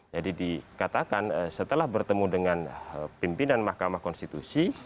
jadi dikatakan setelah bertemu dengan pimpinan makamah konstitusi